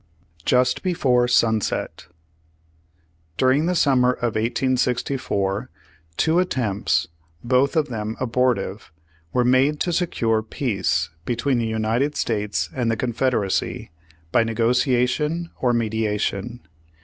JUST BEFOEE SUNSET During the summer of 1864, two attempts, both of them abortive, were made to secure peace between the United States and the Confederacy, by negotiation or mediation.